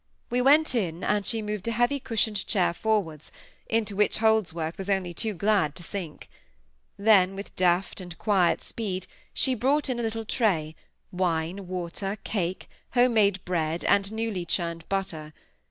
We went in, and she moved a heavy cushioned chair forwards, into which Holdsworth was only too glad to sink. Then with deft and quiet speed she brought in a little tray, wine, water, cake, home made bread, and newly churned butter.